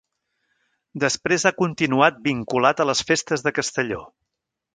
Després ha continuat vinculat a les festes de Castelló.